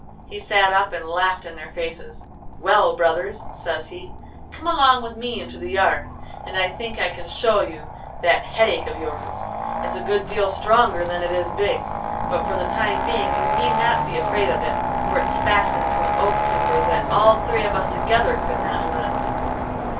He sat up and laughed in their faces. "Well, brothers," says he, "come along with me into the yard, and I think I can show you that headache of yours. It's a good deal stronger than it is big, but for the time being you need not be afraid of it, for it's fastened to an oak timber that all three of us together could not lift."